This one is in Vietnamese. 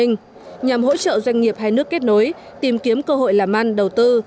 nhằm hỗ trợ doanh nghiệp hai nước kết nối tìm kiếm cơ hội làm ăn đầu tư